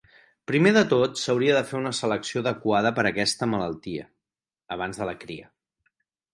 Primer de tot s"hauria de fer una selecció adequada per a aquesta malaltia, abans de la cria.